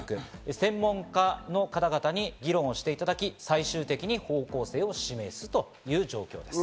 専門家の方々に議論していただき最終的に方向性を示すという状況です。